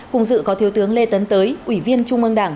cùng dự có thiếu tướng lê tấn tới ủy viên trung ương đảng